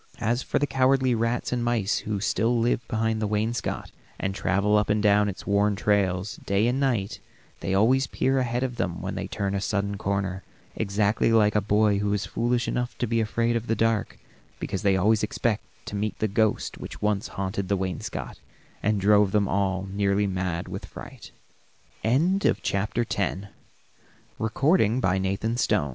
As for the cowardly rats and mice who still live behind the wainscot, and travel up and down its worn trails, day and night, they always peer ahead of them when they turn a sudden corner, exactly like a boy who is foolish enough to be afraid of the dark, because they always expect to meet the ghost which once haunted the wainscot, and drove them all nearly mad with fright. [Illustration: WHY THE WEASEL NEVER SLEEP